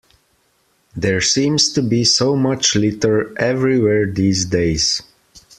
There seems to be so much litter everywhere these days